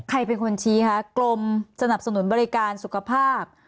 ใครเป็นคนชี้คะกรมสนับสนุนบริการสุขภาพ